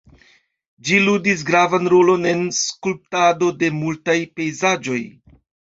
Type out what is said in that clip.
Ĝi ludis gravan rolon en skulptado de multaj pejzaĝoj.